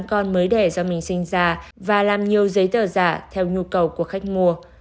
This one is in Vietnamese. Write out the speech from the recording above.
con mới đẻ do mình sinh ra và làm nhiều giấy tờ giả theo nhu cầu của khách mua